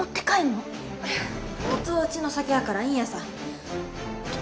もとはうちの酒やからいいんやさ。